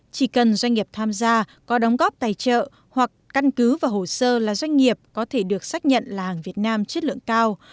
chỉ cần doanh nghiệp tham gia có đóng góp tài trợ hoặc căn cứ và hồ sơ là doanh nghiệp có thể được xác nhận là hàng việt nam chất lượng cao